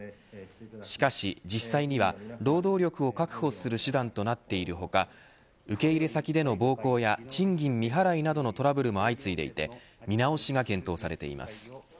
しかし実際には労働力を確保する手段となっている他受け入れ先での暴行や賃金未払いなどのトラブルも相次いでいて見直しが検討されています。